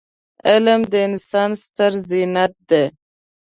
علم د انسان ستره زينت دی.